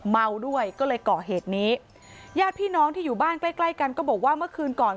เมาด้วยก็เลยก่อเหตุนี้ญาติพี่น้องที่อยู่บ้านใกล้ใกล้กันก็บอกว่าเมื่อคืนก่อน